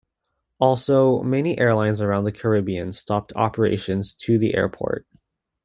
Also, many airlines around the Caribbean stopped operations to the airport.